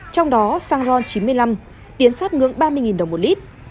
trong đó xăng ron chín mươi năm tiến sát ngưỡng ba mươi đồng một lít